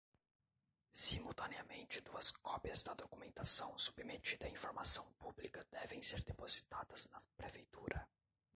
Simultaneamente, duas cópias da documentação submetida à informação pública devem ser depositadas na Prefeitura.